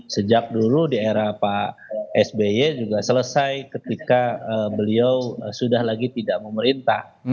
sejak dulu di era pak sby juga selesai ketika beliau sudah lagi tidak memerintah